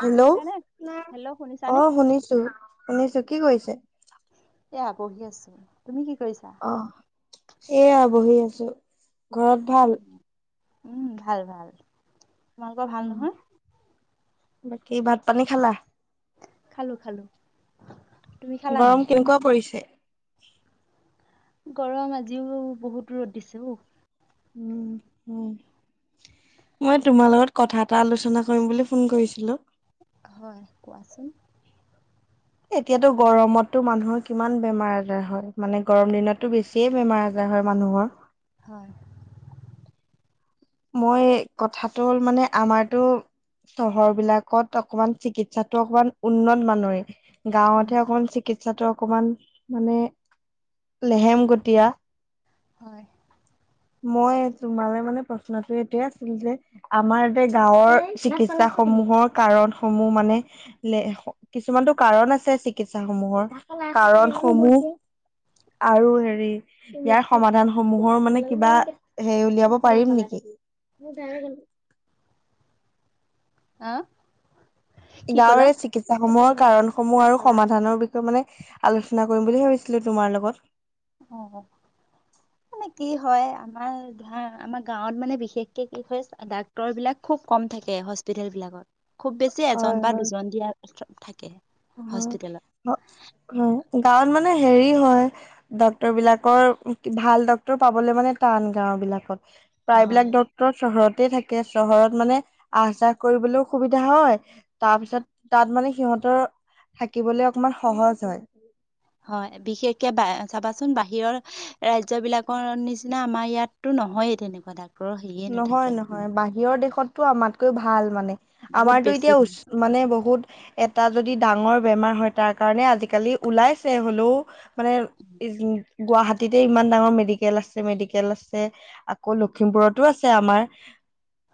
Hello শুনিছানে? [unintelligible] Hello শুনিছানে? অ শুনিছো শুনিছো কি কৰিছে? এ আ বহি আছো। তুমি কি কৰিছা? অ সেইয়া বহি আছো। ঘৰত ভাল? উম ভাল ভাল। তোমালোক ভাল নহয়? বাকী ভাত পানী খালা। খালো খালো। তুমি খালা নাই? গৰম কেনেকুৱা পৰিছে! গৰম আজিও বহুত ৰত দিছে অ। [unintelligible] উম হ মই তোমাৰ লগত কথা এটা আলোচনা কৰিম বুলি ফোন কৰিছিলো? হয় কোৱাচোন। এতিয়াতো গৰমতো মানুহৰ কিমান বেমাৰ আজাৰ হয় মানে গৰম দিনতটো বেছিয়ে। বেমাৰ আজাৰ হয় মানুহৰ। হয় মই কথাটো হ'ল মানে আমাৰতো? চহৰ বিলাকত অকমান চিকিৎসাটো অকমান উন্নত মানৰে। গাঁৱত উম হে অকল চিকিৎ। ছাটো অকমান মানে লেহেম গটীয়া। [unintelligible] হয়। মই তোমালে মানে প্ৰ। প্ৰশ্নটো এইটয়ে আছিল যে আমাৰ এতে গাঁৱৰ চিকিৎসা সমূহৰ কাৰণ সমূহ মানে। [unintelligible] কিছুমানতটো কাৰণ আছে চিকিৎসা সমূহৰ কাৰণ সমূহ। [unintelligible] [unintelligible] আৰু হেৰি ইয়াৰ সমাধান সমূহৰ মানে কিবা হেৰি উলিয়াব পাৰিম নেকি? [unintelligible] আহ। কি ক'লা? গাঁৱৰে চিকিৎসা সমূহত কাৰণসমূহ আৰু সমাধানৰ বিষয়ে মানে আলোচনা কৰিম বুলি ভাবিছিলো তোমাৰ লগত। অ অ। মানে কি হয় আমাৰ ধৰা আমাৰ গাঁৱত মানে বিশেষকে কি হয় ডাক্তৰ বিলাক খুব কম থাকে হস্পিতেল বিলাকত। খুব বেছি এজন বা দুজন দিয়াৰ থাকে। হস্পিতেলত অ [inaudible] গাঁৱত মানে হেৰি হয় ডক্তৰ বিলাকৰ ভাল ডক্তৰ পাবলে মানে টান গাও বিলাকত। হয় প্ৰায়বিলাক ডক্টৰ চহৰত তে থাকে চহৰত মানে আহ যাহ কৰিবলৈও সুবিধা হয়, তাৰপিছত তাত মানে সিহঁতৰ থাকিবলে অকমান সহজ হয়। হয় বিশেষকে বা চাবাচোন বাহিৰৰ ৰাজ্য বিলাকৰ নিচিনা আমাৰ ইয়াতো নহয় তেনেকুৱা ডাক নহয় নহয় বাহিৰৰ দেশতটো আমাতকৈ ভাল মানে। বহুত আমাৰতো বেছি এতিয়া উচ হয় মানে বহুত এটা যদি ডাঙৰ বেমাৰ হয় তাৰ কাৰণে আজিকালি ওলাইছে হ'লেও মানে। উম, গুৱাহাটীতে ইমান ডাঙৰ মেডিকেল আছে মেডিকেল আছে আকৌ লখিমপুৰত টো আছে আমাৰ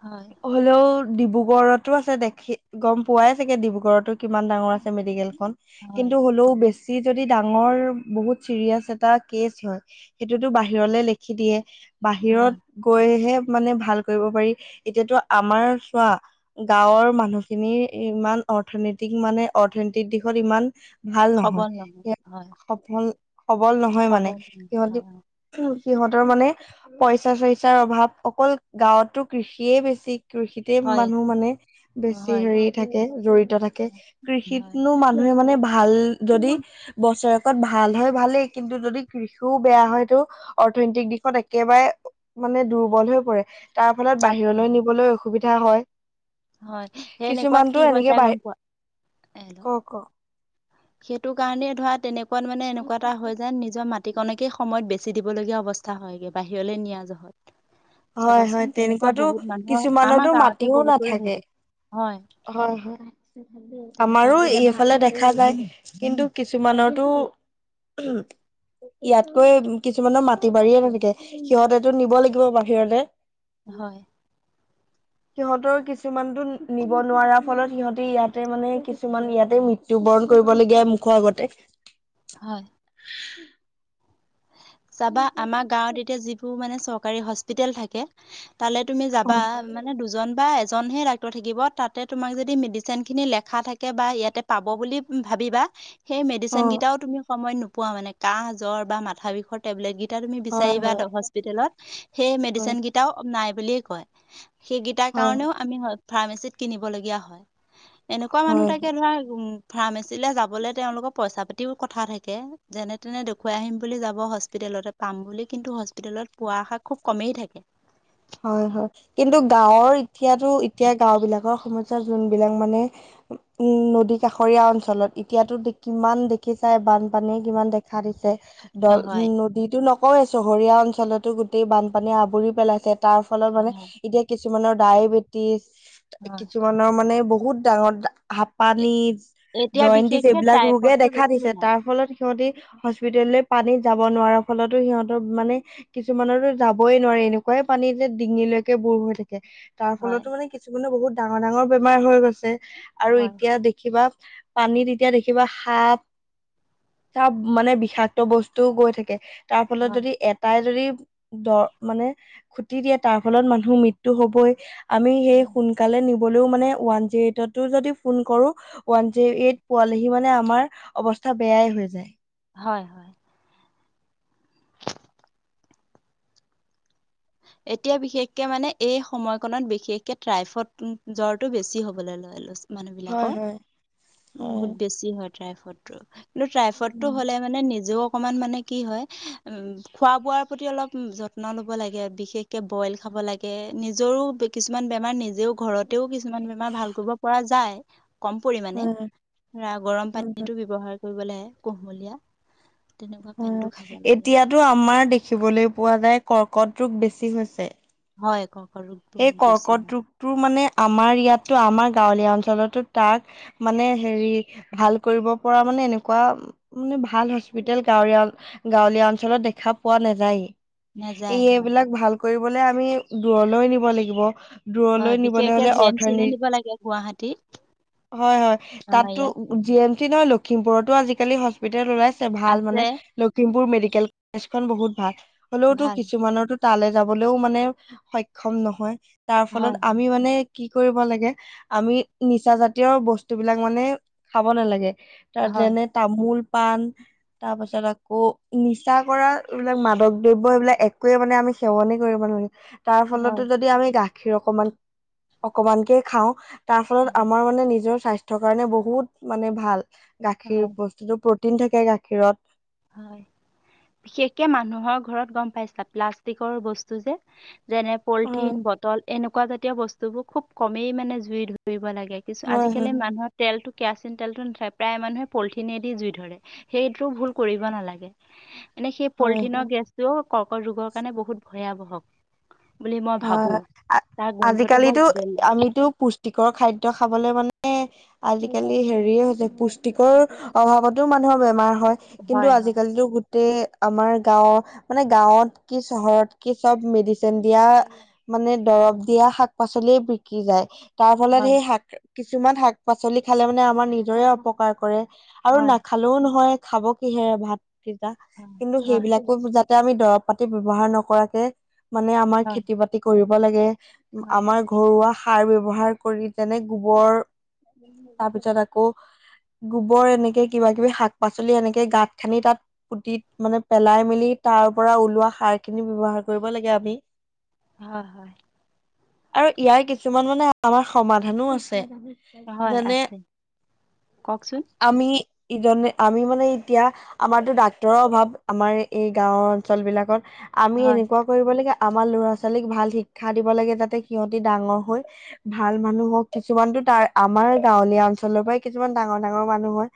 হয় হলেও ডিব্ৰুগড়তো আছে দেখি গম পোৱাই চাগে ডিব্ৰুগড়তো? কিমান ডাঙৰ আছে মেডিকেল খন হয় কিন্তু হ'লেও বেছি বেচি যদি ডাঙৰ বহুত চিৰিয়াচ এটা কেচ হয় সেইটো বাহিৰ লখি দিয়ে। বাহিৰত হয়, গৈহে মানে ভাল কৰিব পাৰি। এতিয়াতো আমাৰ চোৱা গাঁৱৰ মানুহখিনি ইমান অৰ্থনীতিক মানে অৰ্থনতিক দিশত ইমান ভাল নহয় সবল স হয় সফল সবল নহয় মানে সবল সিহতি। নহয়, সিহঁতৰ মানে পইচা চৰিচাৰ অভাৱ অকল গাঁৱতটো কৃষিয়ে বেছি। কৃষিতে হয় মানুহ মানে অ, বেছি হয় হেৰি থাকে জড়িত থাকে। হয় হয় কৃষিতনো মানুহে মানে ভাল ভাল যদি বছৰেকত ভাল হয় ভালেই কিন্তু যদি কৃষিও বেয়া হয়তটো অৰ্থনৈতিক দিশত একেবাৰে মানে দুৰ্বল হৈ পৰে তাৰ ফলত চাপ উম, বাহিৰলৈ নিবলৈ অসুবিধা হয় হয় সেই এনেকুৱাত কি কিছুমানটো হৈ এনেকে যায় বাহী গম পোৱা হেল্ল' ক ক সেইটো কাৰণে ধৰা তেনেকুৱাত মানে এনেকুৱা এটা হয় যায়, নিজৰ মাটিকনকে সময়ত বেছি দিব লগীয়া হ'ব অৱস্থা হয়গে বাহিৰলে নিয়া জহত। হয় চাবাচোন হয় তেনেকুৱা তেনেকুৱাতো বহুত মানুহৰ আমাৰ কিছুমানতো গাঁৱতে মাটিও বহুতৰে হৈ নাথাকে। গৈছে হয় হয় হয় তেনেকুৱা আমাৰো অৱস্থা এইফালে দেখা যায়। কিন্তু কিছুমানৰটো ইয়াতকৈ কিছুমানৰ মাটি বাৰীয়ে নাথাকে সিহঁতেতো নিব লাগিব বাহিৰলে। হয়। [inaudible] সিহঁতৰ কিছুমানতো নিব নোৱাৰাৰ ফলত সিহঁতে ইয়াতে মানে কিছুমান ইয়াতে মৃত্যুবৰণ কৰিবলগীয়া মুখৰ আগতে। হয়। চাবা আমাৰ গাঁৱত এতিয়া যিবোৰ মানে চৰকাৰী হস্পিতেল থাকে তালে তুমি অ যাবা মানে দুজন বা এজন ডাক্তৰ থাকিব তাতে তোমাক যদি মেডিচিন খিনি লেখা থাকে বা ইয়াতে পাব বুলি ভাবিবা সেই অ মেডিচিন কেইটাও তুমি সময়ত নোপোৱা মানে কাহ জ্বৰ বা মাথা বিষৰ টেবলেট গেই এতিয়া তুমি হয় বিচাৰিবা হস্পিটেলত সেই হয় মেডিচিন কেইটাও নাই বুলিয়ে কয়। সেইকেইটাৰ হয় কাৰণেও আমি ফাৰ্মাচীত কিনিব লগীয়া হয়। এনেকুৱা মানুহ হয় হয় থাকে ধৰা ফাৰ্মাচীলৈ যাবলৈ তেওঁলোকৰ পইচা পাতিও কথা থাকে যেনে তেনে দেখুৱাই আহিম যাব হস্পিটেলত পাম বুলি কিন্তু হস্পিটেলত পোৱা আশা খুব কমেই থাকে হয় হয় কিন্তু গাঁওৰ এতিয়াতো এতিয়া গাওঁ বিলাকৰ সমস্যা যোনবিলাক মানে উম নদী কাষৰীয়া অঞ্চলত এতিয়াতো কিমান দেখিছাই বানপানীয়ে কিমান দেখা দিছে দল হয় নদীতো নকওৱে চহৰীয়া অঞ্চলতো গোটেই বানপানীয়ে আৱৰি পেলাইছে তাৰ ফলত মানে এতিয়া কিছুমানৰ ডায়েবেটিছ হয় হয় কিছুমানৰ মানে বহুত ডাঙৰ হাপানিছ এতিয়া জনদিছ বিশেষকে এইবিলাক ৰোগে ট্ৰাইফডটো দেখা বেছি দিছে ওলায়। তাৰ ফলত সিহঁতি হস্পিতেললৈ পানী যাব নোৱাৰাৰ ফলতো সিহঁতৰ মানে কিছুমানতো যাবই নোৱাৰে এনেকুৱাই পানীতে ডিঙিলৈকে বুৰ হৈ থাকে তাৰ হয় ফলতো মানে কিছুমানে বহুত ডাঙৰ ডাঙৰ বেমাৰ হৈ গৈছে আৰু হয়। এতিয়া দেখিবা পানীত এতিয়া দেখিবা সাপ চাপ মানে বিষাক্ত বস্তুও গৈ থাকে তাৰ ফলত হয় যদি এটাই যদি দ মানে খুটি দিয়ে তাৰ ফলত মানুহৰ মৃত্যু হবই আমি সেই সোনকালে নি নিবলেও মানে ওৱান জেৰ এইট ফোন কৰোঁ ওৱান জিৰ এইট পোৱালেহি সি মানে আমাৰ অৱস্থা বেয়াই হৈ যায় হয় হয় এতিয়া বিশেষকে মানে এই সময়কনত বিশেষকে ট্ৰাইফট জ্বৰটো বেছি হ'বলৈ মানুহ হয় বিলাকৰ হয় হয় বহুত বেছি হয় ট্ৰাইফটো কিন্তু ট্ৰাইফড টো হ'লে মানে নিজেও অকমান মানে কি হয় উ খোৱা বোৱাৰ প্ৰতি অলপ যত্ন ল'ব লাগে বিশেষকে বইল খাব লাগে নিজৰো কিছুমান বেমাৰ নিজেও ঘৰত তেও কিছুমান বেমাৰ ভাল কৰিব পৰা যায় কম পৰিমানে হয় ধৰা গৰম হয় পানীটো ব্যৱহাৰ কৰিব লাগে কুহুমীয়া হয় এতিয়াতো আমাৰ দেখিবলৈ পোৱা যায় কৰ্কট ৰোগ বেছি হৈছে হয় ক সেই কৰ্কট ৰোগটো মানে আমাৰ ইয়াতো আমাৰ গাঁৱলীয়া অঞ্চলতো তাক মানে হেৰি ভাল কৰিব পৰা মানে এনেকুৱা মানে ভাল হস্পিতেল গাঁৱীয়া গাঁৱলীয়া অঞ্চলত দেখা পোৱা নাযায়। নাযায় এই হয় এইবিলাক ভাল কৰিবলে আমি দূৰলৈ নিব লাগিব। দূৰলৈ হয়, নিবলৈ বিশেষকে হলে জে এম চিলে অৰ্থনী নিব লাগে গুৱাহাটীত। হয়, হয় আমাৰ তাতো ইয়াত জি এম চি নহয় লখিমপুৰতো আজি আজিকালি হস্পিতেল ওলাইছে ভাল আছে মানে, লখিমপুৰ মেডিকেল কলেজ খন বহুত ভাল। হলেওতো ভাল কিছুমানৰো তালৈ যাবলেও মানে সক্ষম নহয়। তাৰ ফলত হয় আমি মানে কি কৰিব লাগে আমি নিচা জাতীয় বস্তু বিলাক মানে খাব নালাগে। তাৰ হয় যেনে তামোল, পান তাৰ পাছত আকৌ নিচা কৰা এইবিলাক মাদক দ্ৰব্য সবিলাক একোৱে মানে আমি সেৱনে কৰিব নোৱাৰি। তাৰ হয় ফলতো যদি আমি গাখীৰ অকমান অকমানকে খাওঁ। তাৰ ফলত হয় আমাৰ মানে নিজৰ স্বাস্থ্যৰ কাৰণে বহুত মানে ভাল হয়। গাখীৰ বস্তুতটো। প্ৰটিন থাকে গাখীৰত। হয়, বিশেষকে মানুহৰ ঘৰত গম পাইছা, প্লাষ্টিকৰ বস্তু যে, যেনে হয় পলিথিন, বটল এনেকুৱা জাতীয় বস্তুবোৰ খুব কমেই মানে জুই ধুৰিব লাগে। কিছু হয় হয় আজিকালি মানুহৰ তেলটো কেৰাচিন তেলটো নাপায় প্ৰায় মানুহে পলিথিনেদি জুই ধৰে, সেইটোও ভুল কৰিব নালাগে। এনে সেই হয় পলিথিনৰ হয়। গেছটোও কৰ্কট ৰোগৰ কাৰণে বহুত ভয়াৱহক। অ। বৰ আজিকালিতো বেলেগ আমিতো পুষ্টিকৰ খাদ্যয খাবলে মানে আজিকালি হেৰিয়ে হৈছে পুষ্টিকৰ অভাৱতো মানুহৰ বেমাৰ হয়। হয় কিন্তু হয় আজিকালিতো গ আমাৰ গাঁওৰ মানে গাঁৱত কি চহৰত কি চব মেডিচিন দিয়া মানে দৰব দিয়া শাক-পাচলিয়ে বিকি যায়। তাৰ ফলত হয় সেই শাক কিছুমান শাক-পাচলি খালে মানে আমাৰ নিজৰে অপকাৰ কৰে আৰু হয় নাখালেও নহয়। খাব কিহে ভাত কিতা কিন্তু হয় সেইবিলাকো বুজাত এতিয়া আমি দৰব পাতি বব্যৱহাৰ নকৰাকে মানে আমাৰ হয় খেতি-বাতি কৰিব লাগে। হয় আমাৰ ঘৰুৱা সাৰ ব্যাৱহাৰ কৰি যেনে গোবৰ। তাৰপিছত আকৌ গোবৰ এনেকে কিবা-কিবি শাক-পাচলি এনেকে গাঁত খানি তাত পুতি মানে পেলাই মেলি তাৰ পৰা ওলোৱা সাৰ খিনি বব্যৱহাৰ কৰিব লাগে আমি। হয় হয় আৰু ইয়াৰ কিছুমান মানে আমাৰ সমাধানো আছে। হয় হয় যেনে আছে কওকচোন আমি ই ধনে আমি মানে এতিয়া আমাৰতো ডাক্তৰৰ অভাৱ আমাৰ এই গাঁওৰ অঞ্চল বিলাকত আমি হয় এনেকুৱা কৰিব লাগে। আমাৰ ল'ৰা ছোৱালী ছোৱালীক ভাল শিক্ষা দিব লাগে। যাতে সিহঁতি ডাঙৰ হৈ ভাল মানুহ হওক কিছুমানতো তাৰ আমাৰ আমাৰ গাঁৱলীয়া অঞ্চলৰ পৰাই কিছুমান ডাঙৰ ডাঙৰ মানুহ হয়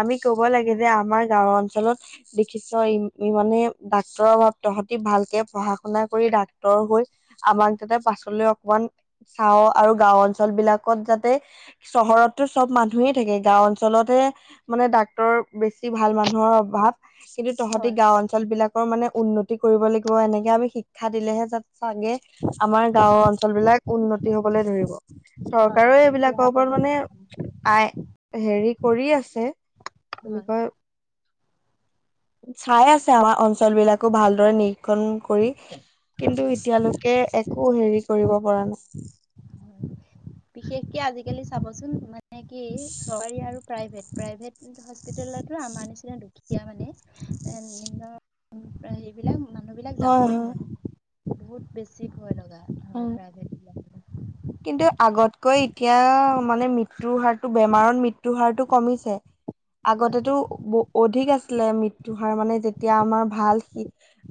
আমি ক'ব লাগে হয় যে আমাৰ গাওৰ অল অঞ্চলত দেখিছ ই মানে ডাক্তৰৰ অভাৱ তহতি ভালকে পঢ়া শুনা কৰি ডাক্টৰ ৰ হৈ আমাক যাতে পাছলৈ অকমান চাওঁ। আৰু গাও অঞ্চল বিলাকত যাতে চহৰততো চব মানুহেই থাকে গাওঁ অঞ্চলতে মানে ডাক্তৰ বেছি ভাল মানুহৰ অভাৱ। কিন্তু তহঁতি হয় গাওঁ অঞ্চল বিলাকৰ মানে উন্নতি কৰিব লাগিব। এনেকে আমি শিক্ষা দিলেহে যাত চাগে আমাৰ গাওঁ অঞ্চল বিলাক উন্নতি হবলৈ ধৰিব। হয় চৰকাৰও হয় উঠি এইবিলাকৰ অহা ওপৰত প্ৰজন্ম মানে আই হেৰি কৰি আছে। হয় তেনেকৈ চাই আছে আমাৰ অঞ্চল বিলাকো ভালদৰে নিৰীক্ষণ কৰি। কিন্তু, হয় এতিয়ালৈকে একো হেৰি কৰিব পৰা নাই। বিশেষকে আজিকালি চাবচোন মানে কি চৰকাৰী আৰু প্ৰাইভেট প্ৰাইভেট হস্পিতেলো আমাৰ নিচিনা দুখীয়া মানে, এ নিম্ন-' সেইবিলাক মানুহ বিলাক হয় যাবই নোৱাৰে বহুত বেছি ভয় লগা হয় প্ৰাইভেট বিলাক কিন্তু আগতকৈ এতিয়া মানে মৃত্যুৰ হাৰতটো বেমাৰত মৃত্যুৰ হাৰতটো কমিছে। হয় আগতেতো অধিক আছে মৃত্যুৰ হাৰ মানে যেতিয়া আমাৰ ভাল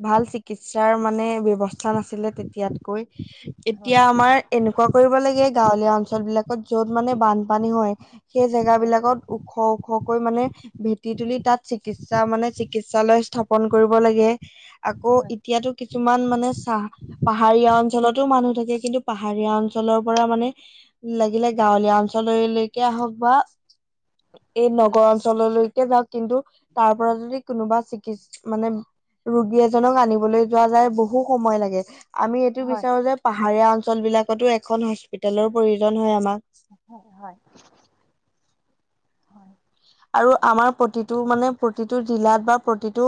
ভাল চিকিৎসাৰ মানে ব্যৱস্থা নাছিলে। তেতিয়াতকৈ এতিয়া হয় আমাৰ এনেকুৱা কৰিব লাগে গাঁৱলীয়া অঞ্চল বিলাকত যত মানে বানপানী হয় সেই জেগা হয় বিলাকত ওখ ওখ মানে ভেটি তুলি তাত চিকিৎসা মানে চিকিৎসালয় স্থাপন কৰিব লাগে। অ হয় এতিয়াতো কিছুমান মানে চাহ পাহাৰীয়া অঞ্চলতো মানুহ থাকে। কিন্তু পাহাৰীয়া অঞ্চল অঞ্চলৰ পৰা মানে লাগিলে গাঁৱলীয়া অঞ্চললৈকে আহওক বা এই নগৰ অঞ্চললৈকে যাওক কিন্তু তাৰ পৰা যদি কোনোবা চিকিৎসা মানে ৰোগী এজনক আনিবলৈ যোৱা যায় বহু সময় লাগে। আমি এইটো হয় বিচাৰো যে পাহাৰীয়া অঞ্চল বিলাকতো এখন হস্পিতেলৰ প্ৰয়োজন হয় আমাক। হয় হয়। আৰু আমাৰ প্ৰতিটো মানে প্ৰতিটো জিলাত বা প্ৰতিটো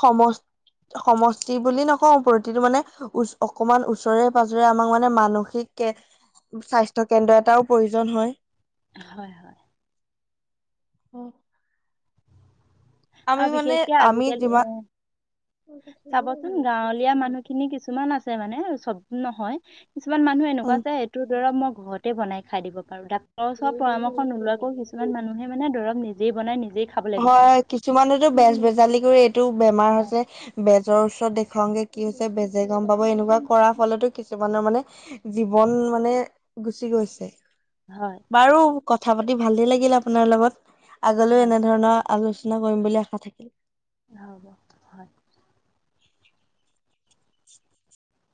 সমস সমষ্টি বুলি নকওঁ প্ৰতিটো মানেচ অকনমান ওচৰে পাজৰে আমাক মানে মানসিক স্বাস্থ্য কেন্দ্ৰ এটাও প্ৰয়োজন হয়। হয় হয়। উম আমি আৰু মানে বিশেষকে আমি আজিকালি যিমান এ চাবচোন গাঁৱলীয়া মানুহখিনি কিছুমান আছে মানে চব নহয়। কিছুমান মানুহ উম এনেকুৱা আছে সেইটোৰ দৰৱ মই ঘৰতে বনাই খাই দিব পাৰো দা ঘৰ ওচৰত পৰামৰ্শ নোলোৱাকেও কিছুমান মানুহে মানে দৰৱ নিজেই বনাই নিজ হয় কিছুমানতো বেজ বেজালিক কৰি এইটো বেমাৰ হৈছে বেজ নিৰ ওচৰত দেখাওগে কি হৈছে বেজে গম পাব এনেকুৱা কৰাৰ ফলতো কিছুমানৰ মানে [unintelligible] জীৱন মানে গুচি গৈছে। হয় বাৰু কথা পাতি ভালে লাগিল আপোনাৰ লগত আগলৈও হয় এনে আলোচনা কৰিম বুলি আশা থাকিল। হ ব হয় [unintelligible] [unintelligible] [inaudible]